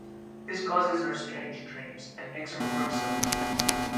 This causes her strange dreams, and makes her work suffer.